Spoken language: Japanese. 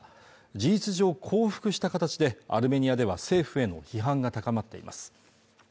事実上降伏した形でアルメニアでは政府への批判が高まっています